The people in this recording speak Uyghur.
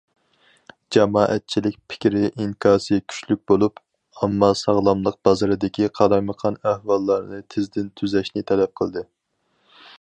جامائەتچىلىك پىكرى ئىنكاسى كۈچلۈك بولۇپ، ئامما ساغلاملىق بازىرىدىكى قالايمىقان ئەھۋاللارنى تېزدىن تۈزەشنى تەلەپ قىلدى.